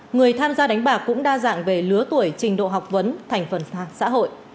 người tham gia đánh bạc cũng đa dạng về lứa tuổi trình độ học vấn thành phần xã hội